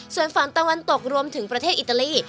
ส่วนฝั่งตะวันตกรวมถึงประเทศอิตาลี